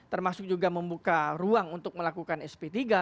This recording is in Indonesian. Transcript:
termasuk juga membuka ruang untuk melakukan sp tiga